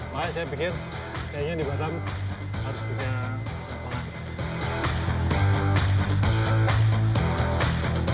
makanya saya pikir kayaknya di batam harus punya lapangan